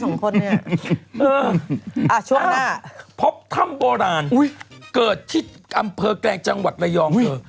ช่วงภาพพบธรรมโบราณเกิดที่อำเภอกลางจังหวัดยองเกิด